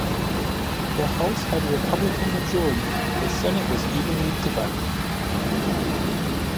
The House had a Republican majority; the Senate was evenly divided.